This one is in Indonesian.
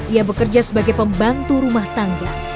ia bekerja sebagai pembantu rumah tangga